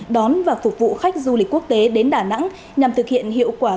đón và phục vụ khách du lịch quốc tế đến đà nẵng nhằm thực hiện hiệu quả